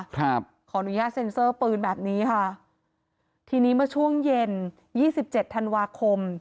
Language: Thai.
ขออนุญาตเซ็นเซอร์ปืนแบบนี้ค่ะทีนี้เมื่อช่วงเย็นยี่สิบเจ็ดธันวาคม